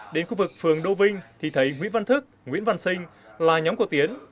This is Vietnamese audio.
đến khu vực phường đô vinh thì thấy nguyễn văn thức nguyễn văn sinh là nhóm của tiến